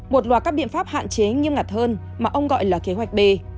một loạt các biện pháp hạn chế nghiêm ngặt hơn mà ông gọi là kế hoạch b